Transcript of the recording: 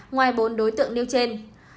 ngoài bốn đối tượng nêu trên